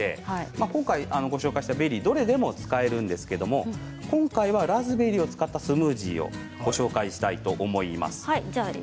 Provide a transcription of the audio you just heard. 今回ご紹介したベリーどれでも使えるんですけれど今回はラズベリーを使ったスムージーをご紹介したいと思います。